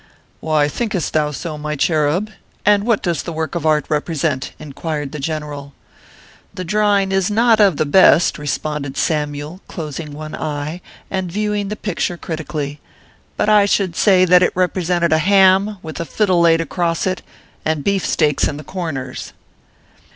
" Why thinkest thou so, my cherub ? and what does the work of art represent?" inquired the gen eral. " The drawing is not of the best," responded Sam yule, closing one eye, and viewing the picture criti cally ;" but I should say that it represented a ham, with a fiddle laid across it, and beefsteaks in the cor ners."